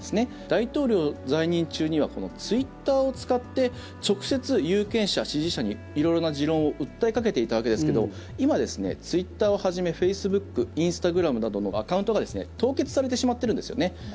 大統領在任中にはツイッターを使って直接、有権者、支持者に色々な持論を訴えかけていたわけですけど今、ツイッターをはじめフェイスブックインスタグラムなどのアカウントが凍結されてしまってるんですね。